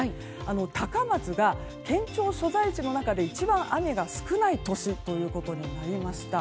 高松が県庁所在地の中で一番雨が少ない都市ということになりました。